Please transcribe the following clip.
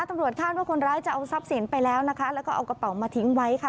ตำรวจคาดว่าคนร้ายจะเอาทรัพย์สินไปแล้วนะคะแล้วก็เอากระเป๋ามาทิ้งไว้ค่ะ